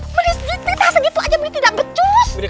menis gitu tak segitu aja menit tidak becus